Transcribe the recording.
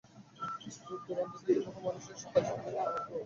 দূরদূরান্ত থেকে বহু মানুষ এসে হাজির হয়েছিলেন প্রিয় অভিনেতাকে শেষবিদায় জানাতে।